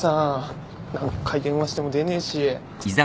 何回電話しても出ねえし。